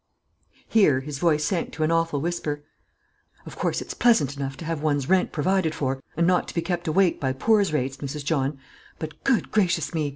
_" Here his voice sank to an awful whisper. "Of course it's pleasant enough to have one's rent provided for, and not to be kept awake by poor's rates, Mrs. John; but, good gracious me!